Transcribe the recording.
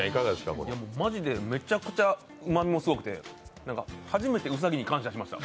マジでめちゃくちゃうまみもすごくて初めて兎に感謝しました。